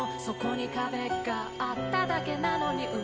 「そこに壁があっただけなのに」